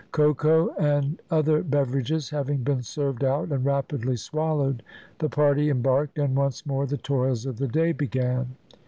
Cocoa and other beverages having been served out and rapidly swallowed, the party embarked, and once more the toils of the day began.